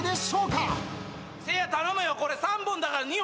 せいや頼むよ。